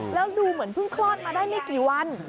แล้วดูเหมือนเพิ่งคลอดมาได้ไม่กี่วัน